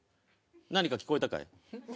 何か聞こえたかい？